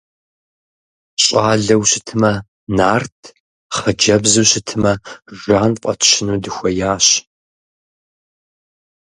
Щӏалэу щытмэ Нарт, хъыджэбзу щытмэ Жан фӏэтщыну дыхуеящ.